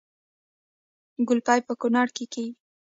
ګلپي په کونړ کې کیږي